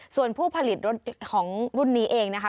ส่วนผู้ผลิตรถของรุ่นนี้เองนะคะ